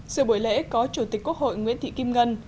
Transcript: sự buổi lễ có chủ tịch quốc hội nguyễn thị kim ngân